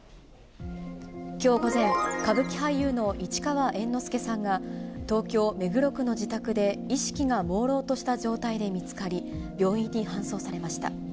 きょう午前、歌舞伎俳優の市川猿之助さんが、東京・目黒区の自宅で意識がもうろうとした状態で見つかり、病院に搬送されました。